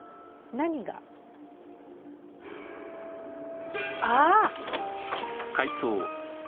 何が？ああ。